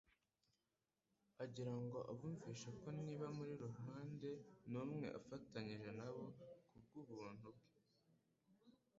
agira ngo abumvishe ko niba mu ruhande numve afatanije na bo kubw'ubumuntu bwe,